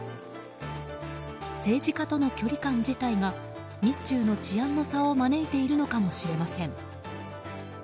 政治家との距離感自体が日中の治安の差を招いているのかもしれません。